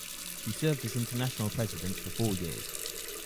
She served as international president for four years.